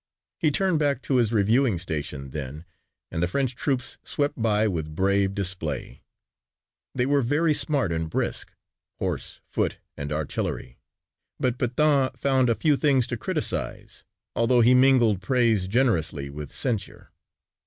He turned back to his reviewing station then and the French troops swept by with brave display: They were very smart and brisk, horse, foot and artillery, but Pétain found a few things to criticize although he mingled praise generously with censure.